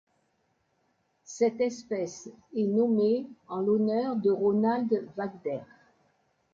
Cette espèce est nommée en l'honneur de Ronald Wagter.